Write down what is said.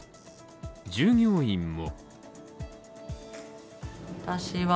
従業員も。